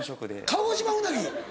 鹿児島うなぎ？